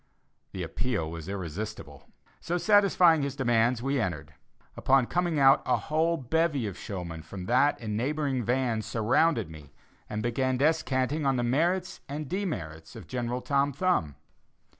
The appeal was irresistible; so, satisfying his demands, we entered. Upon coming out, a whole bevy of showmen from that and neighboring vans surrounded me, and began descanting on the merits and demerits of General Tom Thumb.